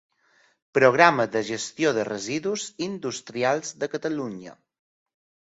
Programa de gestió de residus industrials de Catalunya.